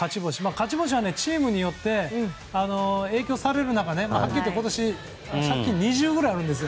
勝ち星はチームによって影響される中ではっきり言って今年は借金２０くらいあるんです。